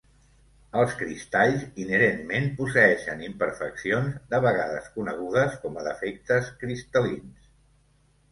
Els cristalls inherentment posseeixen imperfeccions, de vegades conegudes com a defectes cristal·lins.